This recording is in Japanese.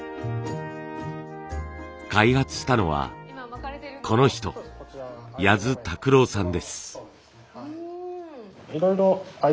開発したのはこの人谷津拓郎さんです。